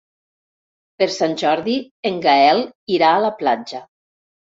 Per Sant Jordi en Gaël irà a la platja.